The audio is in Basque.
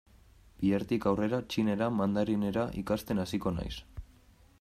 Bihartik aurrera txinera, mandarinera, ikasten hasiko naiz.